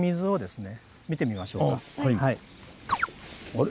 あれ？